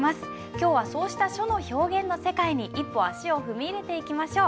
今日はそうした書の表現の世界に一歩足を踏み入れていきましょう。